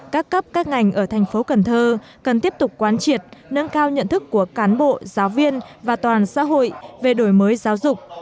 các cấp các ngành ở thành phố cần thơ cần tiếp tục quán triệt nâng cao nhận thức của cán bộ giáo viên và toàn xã hội về đổi mới giáo dục